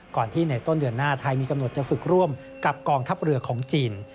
ก่อนที่ในต้นเดือนหน้าไทยมีกำหนดจะฝึกร่วมกับกองทัพเรือของจีน